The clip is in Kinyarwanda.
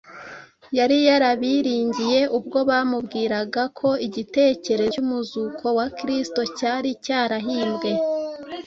Yari yarabiringiye ubwo bamubwiraga ko igitekerezo cy’umuzuko wa Kristo cyari cyarahimbwe